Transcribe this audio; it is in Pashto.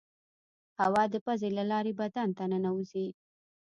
هوا د پزې له لارې بدن ته ننوزي.